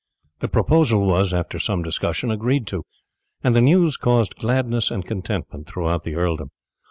The proposal was, after some discussion, agreed to, and the news caused gladness and contentment throughout the earldom.